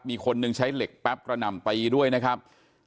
มีคนหนึ่งใช้เหล็กแป๊บกระหน่ำตีด้วยนะครับ